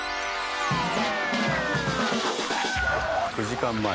９時間前。